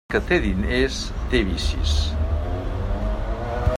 El que té diners, té vicis.